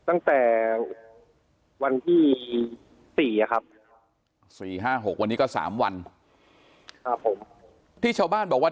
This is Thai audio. ตั้งแต่วันที่๔ครับ๔๕๖วันนี้ก็๓วันครับผมที่ชาวบ้านบอกว่า